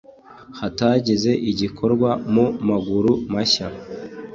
hatagize igikorwa mu maguru mashya